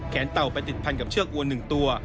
๓แขนเต่าไปติดพันกับเชือกอวนหนึ่งตัว